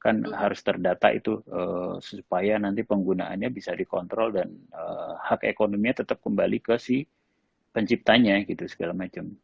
kan harus terdata itu supaya nanti penggunaannya bisa dikontrol dan hak ekonominya tetap kembali ke si penciptanya gitu segala macam